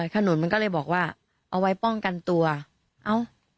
ขนุนมันก็เลยบอกว่าเอาไว้ป้องกันตัวเอ้า